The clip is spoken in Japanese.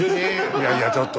いやいやちょっと。